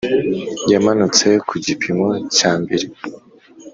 yamanutse ku gipimo cyambere